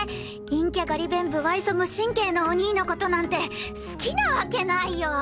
陰キャガリ勉無愛想無神経なお兄の事なんて好きなわけないよ！